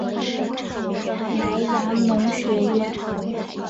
莱阳农学院。